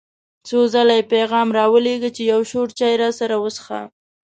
څو ځله یې پیغام را ولېږه چې یو شور چای راسره وڅښه.